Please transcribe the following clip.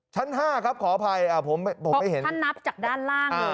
ชั้น๕ครับขออภัยผมไม่เห็นท่านนับจากด้านล่าง